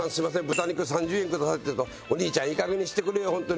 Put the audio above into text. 豚肉３０円ください」って言うと「お兄ちゃんいい加減にしてくれよホントに」